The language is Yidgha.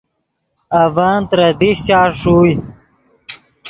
اڤن ترے دیشچا ݰوئے